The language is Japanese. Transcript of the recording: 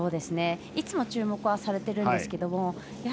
いつも、注目はされてるんですけど